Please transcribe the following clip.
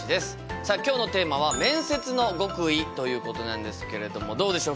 さあ今日のテーマは「面接の極意」ということなんですけれどもどうでしょう？